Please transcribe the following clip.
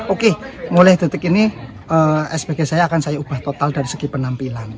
oke mulai detik ini spg saya akan saya ubah total dari segi penampilan